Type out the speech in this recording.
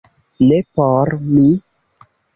- Ne por mi?